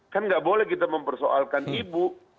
kan nggak boleh kita mempersoalkan ibu